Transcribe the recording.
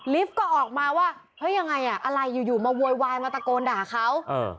ก็ออกมาว่าเฮ้ยยังไงอ่ะอะไรอยู่มาโวยวายมาตะโกนด่าเขา